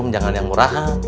jangan yang murahan